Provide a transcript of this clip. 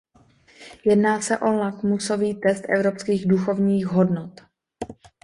Jedná se o lakmusový test evropských duchovních hodnot.